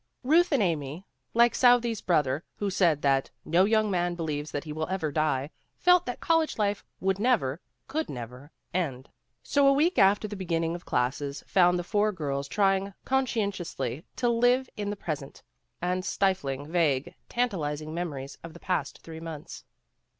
Ruth and Amy, like Southey 's brother who said that "no young man believes that he will ever die," felt that college life would never, could never, end. So a week after the beginning of classes found the four girls trying conscien tiously to live in the present, and stifling vague, tantalizing memories of the past three months.